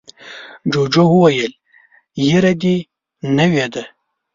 جوجو وویل ږیره دې نوې ده.